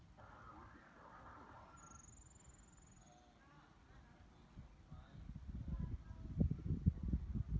กินลอลเตเตียน